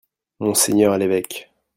Monseigneur l'évêque.